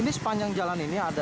ini sepanjang jalan ini ada